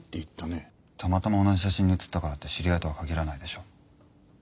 たまたま同じ写真に写ったからって知り合いとは限らないでしょう？